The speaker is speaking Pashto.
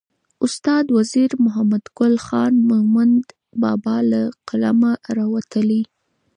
استاد وزیر محمدګل خان مومند بابا له قلمه راوتلې.